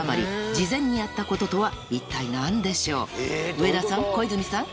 上田さん小泉さん